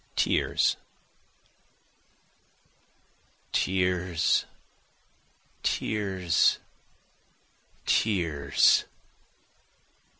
Tears Tears! tears! tears!